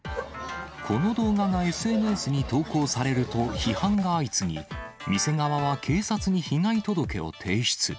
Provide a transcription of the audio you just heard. この動画がＳＮＳに投稿されると批判が相次ぎ、店側は警察に被害届を提出。